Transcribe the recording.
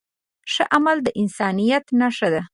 ښه عمل د انسانیت نښه ده.